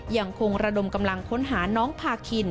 ยังคงระดมกำลังค้นหาน้องพาคิน